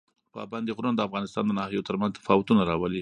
پابندي غرونه د افغانستان د ناحیو ترمنځ تفاوتونه راولي.